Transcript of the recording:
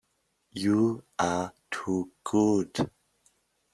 You are too good.